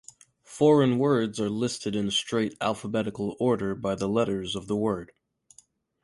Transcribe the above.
Foreign words are listed in straight alphabetical order by the letters of the word.